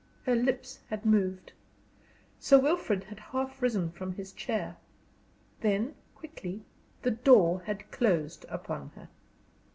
Her lips had moved; Sir Wilfrid had half risen from his chair. Then, quickly, the door had closed upon her.